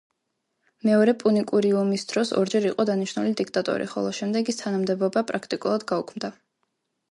მეორე პუნიკური ომის დროს ორჯერ იყო დანიშნული დიქტატორი, ხოლო შემდეგ ეს თანამდებობა პრაქტიკულად გაუქმდა.